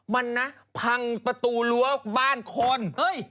มันนะพังประตูรั้วบ้านคน